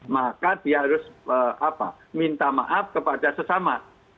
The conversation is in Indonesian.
maka dia harus minta maaf kepada sesama